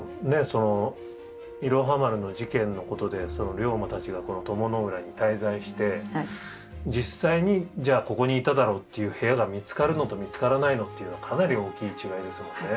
そのいろは丸の事件のことで龍馬達がこの鞆の浦に滞在して実際にじゃあここにいただろうっていう部屋が見つかるのと見つからないのっていうのはかなり大きい違いですもんね